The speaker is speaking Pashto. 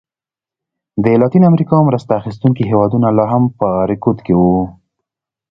د لاتینې امریکا مرسته اخیستونکي هېوادونه لا هم په رکود کې وو.